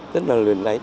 rất là luyện lấy